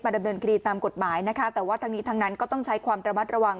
ดำเนินคดีตามกฎหมายนะคะแต่ว่าทั้งนี้ทั้งนั้นก็ต้องใช้ความระมัดระวัง